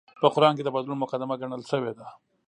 په قران کې د بدلون مقدمه ګڼل شوې ده